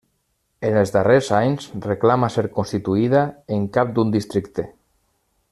En els darrers anys reclama ser constituïda en cap d'un districte.